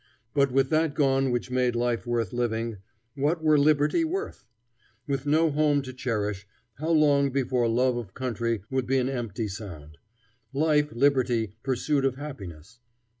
But with that gone which made life worth living, what were liberty worth? With no home to cherish, how long before love of country would be an empty sound? Life, liberty, pursuit of happiness?